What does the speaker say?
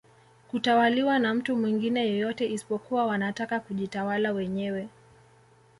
Kutawaliwa na mtu mwingine yoyote isipokuwa wanataka kujitawala wenyewe